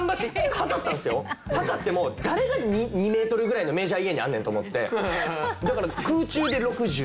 測っても誰が２メートルぐらいのメジャー家にあんねんと思って。